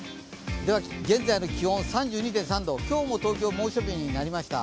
では、現在の気温３２．３度、今日も東京、猛暑日になりました。